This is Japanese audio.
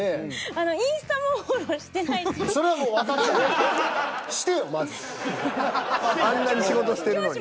でも今あんなに仕事してるのに。